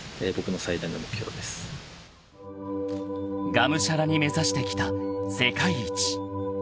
［がむしゃらに目指してきた世界一］